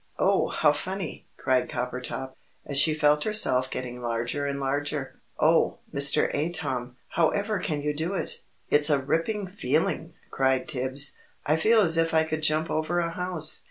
"Oh, how funny!" cried Coppertop, as she felt herself getting larger and larger. "Oh, Mr. Atom! However can you do it?" "It's a ripping feeling!" cried Tibbs. "I feel as if I could jump over a house."